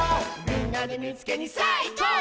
「みんなでみいつけにさあいこう！